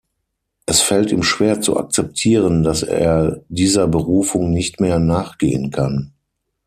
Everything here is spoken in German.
Es fällt ihm schwer zu akzeptieren, dass er dieser Berufung nicht mehr nachgehen kann.